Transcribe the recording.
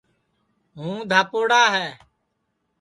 ہُوں دھاپوڑا ہے